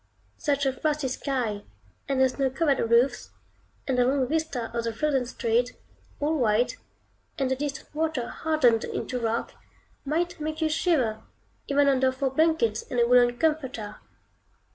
Such a frosty sky, and the snow covered roofs, and the long vista of the frozen street, all white, and the distant water hardened into rock, might make you shiver, even under four blankets and a woollen comforter.